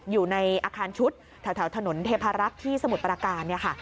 อยู่ในอาคารชุดแถวถนนเทพรักษณ์ที่สมุทรปราการ